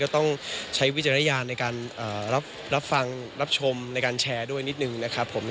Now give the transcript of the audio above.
ต้องใช้วิจารณญาณในการรับฟังรับชมในการแชร์ด้วยนิดนึงนะครับผม